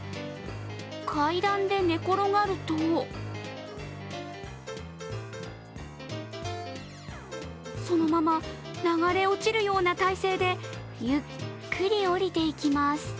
階段で寝転がるとそのまま流れ落ちるような体勢でゆっくり降りていきます。